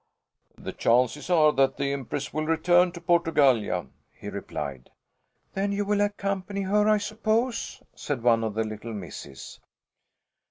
"The chances are that the Empress will return to Portugallia," he replied. "Then you will accompany her, I suppose?" said one of the little misses.